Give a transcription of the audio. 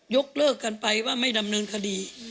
ยกเลิกกันไปว่าไม่ดำเนินคดี